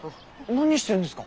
何してるんですか？